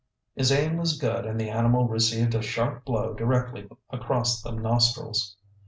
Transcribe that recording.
His aim was good and the animal received a sharp blow directly across the nostrils.